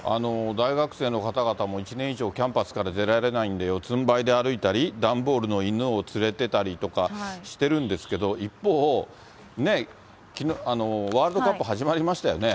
大学生の方々も１年以上、キャンパスから出られないんで、四つんばいで歩いたり、段ボールの犬を連れてたりとかしてるんですけど、一方、ワールドカップ始まりましたよね。